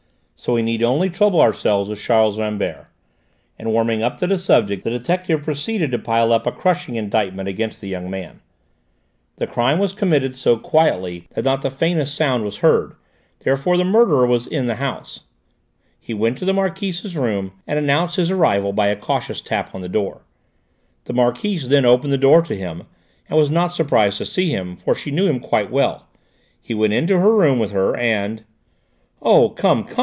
"So we need only trouble ourselves with Charles Rambert," and warming up to the subject the detective proceeded to pile up a crushing indictment against the young man. "The crime was committed so quietly that not the faintest sound was heard; therefore the murderer was in the house; he went to the Marquise's room and announced his arrival by a cautious tap on the door; the Marquise then opened the door to him, and was not surprised to see him, for she knew him quite well; he went into her room with her and " "Oh, come, come!"